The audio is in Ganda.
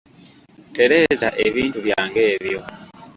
Tereza ebintu byange ebyo.